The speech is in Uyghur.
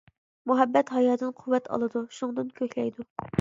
مۇھەببەت ھايادىن قۇۋۋەت ئالىدۇ، شۇنىڭدىن كۆكلەيدۇ.